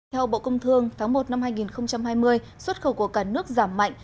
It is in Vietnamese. theo bộ công thương tháng một năm hai nghìn hai mươi xuất khẩu của cả nước giảm mạnh